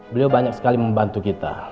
beliau banyak sekali membantu kita